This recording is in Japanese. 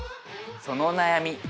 そのお悩み